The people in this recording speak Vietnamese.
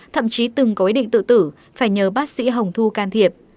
thậm chí từng có ý định tự tử phải nhờ bác sĩ hồng thu can thiệp